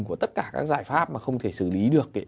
của tất cả các giải pháp mà không thể xử lý được